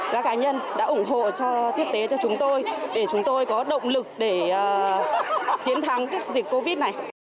các cá nhân đã ủng hộ cho tiếp tế cho chúng tôi để chúng tôi có động lực để chiến thắng dịch covid này